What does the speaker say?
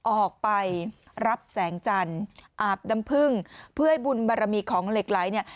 ออกไปรับแสงจันทร์อาบน้ำพึ่งเพื่อให้บุญบารมีของเหล็กไหลเนี่ย